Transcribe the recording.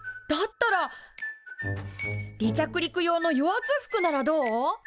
だったら離着陸用の与圧服ならどう？